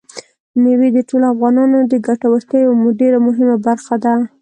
مېوې د ټولو افغانانو د ګټورتیا یوه ډېره مهمه برخه ده.